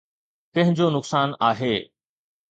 ڪنهن جو نقصان آهي؟